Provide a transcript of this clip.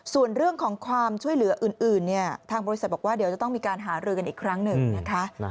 ส่วนเรื่องของความช่วยเหลืออื่นเนี่ยทางบริษัทบอกว่าเดี๋ยวจะต้องมีการหารือกันอีกครั้งหนึ่งนะคะ